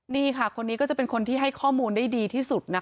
นี่ค่ะคนนี้ก็จะเป็นคนที่ให้ข้อมูลได้ดีที่สุดนะคะ